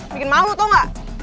bikin malu tau gak